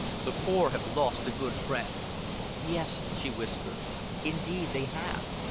The pore hev lost a good friend." "Yes," she whispered. "Indeed they have.